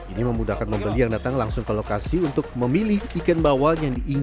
ini memudahkan pembeli yang datang langsung ke lokasi untuk memilih ikan bawal yang diinginkan